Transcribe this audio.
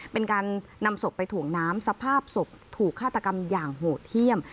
เป็นการนำศพไปถ่วงน้ำสภาพศพถูกฆาตกรรมอย่างโหดเยี่ยม